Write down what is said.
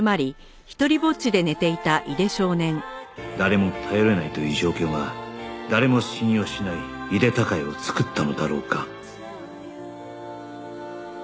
誰も頼れないという状況が誰も信用しない井手孝也を作ったのだろうか